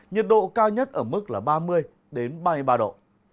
nhiệt độ cao nhất ở mức là ba mươi ba mươi ba độ